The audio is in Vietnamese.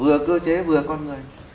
vừa cơ chế vừa con người